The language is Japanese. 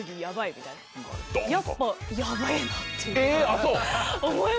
やっぱ。え！